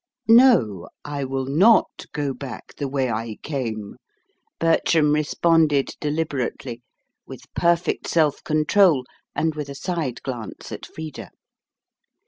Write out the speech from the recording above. "No, I will NOT go back the way I came," Bertram responded deliberately, with perfect self control, and with a side glance at Frida.